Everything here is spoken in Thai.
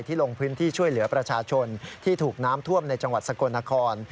ลงพื้นที่ช่วยเหลือประชาชนที่ถูกน้ำท่วมในจังหวัดสกลนคร